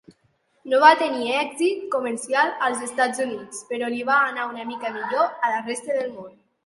No va tenir èxit comercial als Estats Units, però li va anar una mica millor a la resta del món.